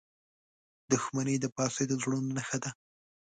• دښمني د فاسدو زړونو نښه ده.